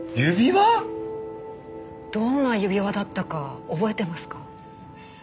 どんな指輪だったか覚えてますか？